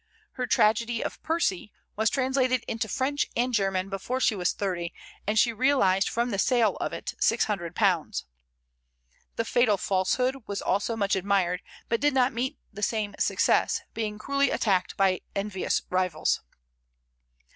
Her tragedy of "Percy" was translated into French and German before she was thirty; and she realized from the sale of it £600. "The Fatal Falsehood" was also much admired, but did not meet the same success, being cruelly attacked by envious rivals.